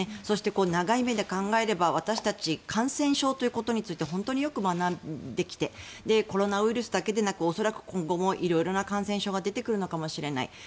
そして、長い目で考えれば私たち感染症ということについて本当によく学んできてコロナウイルスだけでなく恐らく今後も色々な感染症が出てくるのかもしれない。